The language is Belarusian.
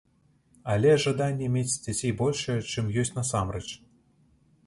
Але жаданне мець дзяцей большае, чым ёсць насамрэч.